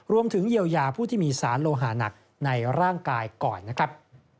รวมถึงเยียวยาผู้ที่มีสารโลหาหนักในร่างกายก่อนนะครับ